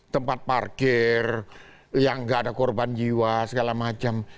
tempat parkir yang nggak ada korban jiwa segala macam